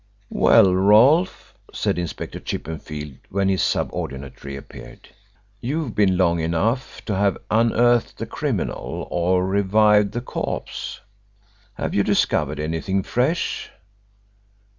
"Well, Rolfe," said Inspector Chippenfield, when his subordinate reappeared, "you've been long enough to have unearthed the criminal or revived the corpse. Have you discovered anything fresh?"